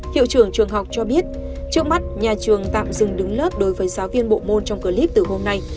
hiệu trưởng trường học cho biết trước mắt nhà trường tạm dừng đứng lớp đối với giáo viên bộ môn trong clip từ hôm nay